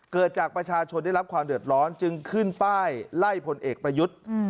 เกิดจากประชาชนได้รับความเดือดร้อนจึงขึ้นป้ายไล่พลเอกประยุทธ์